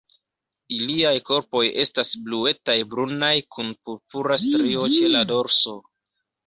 Iliaj korpoj estas bluetaj-brunaj, kun purpura strio ĉe la dorso.